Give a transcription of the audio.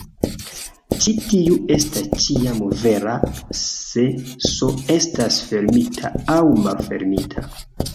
Ĉi tiu estas ĉiam vera se "S" estas fermita aŭ malfermita.